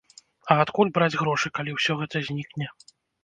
А адкуль браць грошы, калі ўсё гэта знікне?